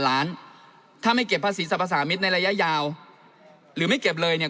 ล้านถ้าไม่เก็บภาษีสรรพสามิตรในระยะยาวหรือไม่เก็บเลยเนี่ย